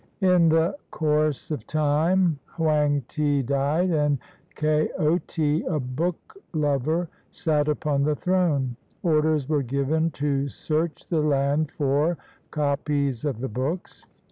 In the course of time Hoang ti died, and Kaoti, a book lover, sat upon the throne. Orders were given to search the land for copies of the books.